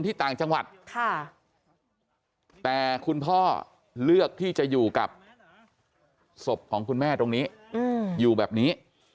แต่คุณพ่อเลือกที่จะอยู่กับศพของคุณแม่ตรงนี้อยู่แบบนี้